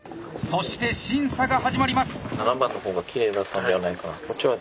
そして審査が始まります。